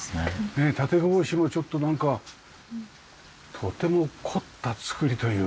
ねえ縦格子もちょっとなんかとても凝った造りというか。